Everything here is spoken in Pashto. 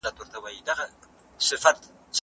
د اتڼ جامې تنګي نه وي.